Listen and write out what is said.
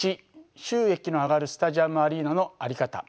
収益の上がるスタジアム・アリーナのあり方。